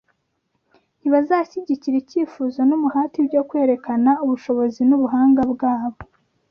Ntibazashyigikira icyifuzo n’umuhati byo kwerekana ubushobozi n’ubuhanga bwabo